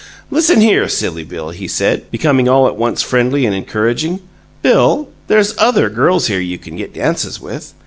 "Listen here, Silly Bill," he said, becoming all at once friendly and encouraging "Bill, there's other girls here you can get dances with.